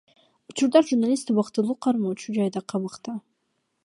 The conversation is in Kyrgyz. Учурда журналист убактылуу кармоочу жайда камакта.